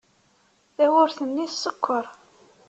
Tawwurt-nni teskeṛ.